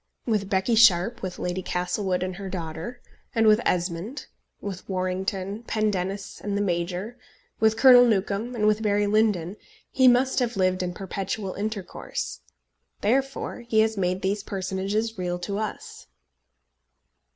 With Becky Sharpe, with Lady Castlewood and her daughter, and with Esmond, with Warrington, Pendennis, and the Major, with Colonel Newcombe, and with Barry Lyndon, he must have lived in perpetual intercourse. Therefore he has made these personages real to us.